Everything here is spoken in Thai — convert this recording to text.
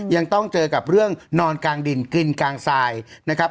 ยังต้องเจอกับเรื่องนอนกลางดินกินกลางทรายนะครับ